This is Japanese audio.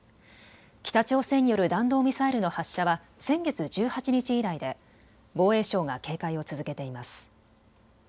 北朝鮮による弾道ミサイルの発射は先月１８日以来で防衛省が警戒を続けています。